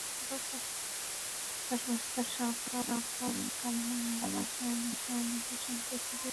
তাঁর প্রশ্ন, সরকার কেন মামলার প্রধান আসামি নূর হোসেনকে ফিরিয়ে আনছে না।